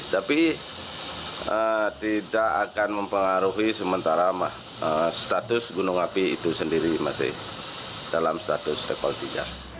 tapi tidak akan mempengaruhi sementara status gunung api itu sendiri masih dalam status level tiga